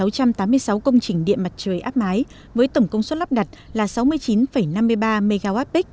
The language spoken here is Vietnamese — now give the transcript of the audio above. sáu trăm tám mươi sáu công trình điện mặt trời áp mái với tổng công suất lắp đặt là sáu mươi chín năm mươi ba mwp